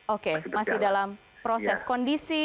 oke masih dalam proses kondisi